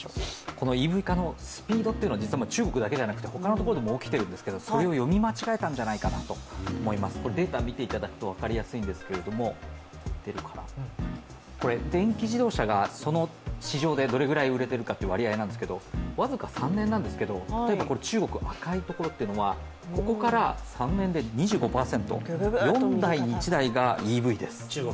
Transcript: このＥＶ化のスピードというのは中国だけではなくて、他のところでも起きてるんですけどそれを読み間違えたんじゃないかなと思いますデータを見ていただくと分かりやすいんですけれども電気自動車がその市場でどれくらい売れてるかというものなんですが、僅か３年なんですけど例えば中国、赤いところはここから３年で２５％、４台に１台がＥＶです。